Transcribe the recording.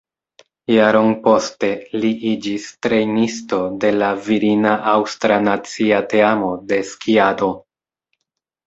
Jaron poste li iĝis trejnisto de la virina aŭstra nacia teamo de skiado.